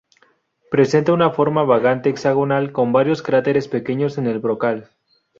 Presenta una forma vagamente hexagonal, con varios cráteres pequeños en el brocal.